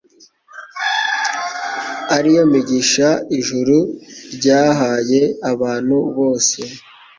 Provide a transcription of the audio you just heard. ari yo migisha ijuru ryahaye abantu bose,